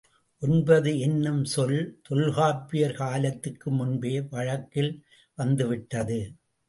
ஒன்பது என்னும் சொல் தொல்காப்பியர் காலத்துக்கு முன்பே வழக்கில் வந்து விட்டது.